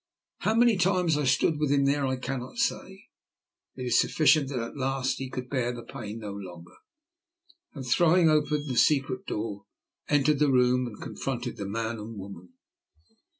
How many times I stood with him there I cannot say, it is sufficient that at last he could bear the pain no longer, and, throwing open the secret door, entered the room and confronted the man and woman.